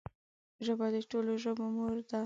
ژبه د ټولو ژبو مور ده